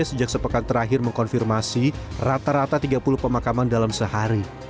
sejak sepekan terakhir mengkonfirmasi rata rata tiga puluh pemakaman dalam sehari